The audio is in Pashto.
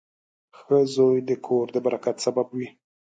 • ښه زوی د کور د برکت سبب وي.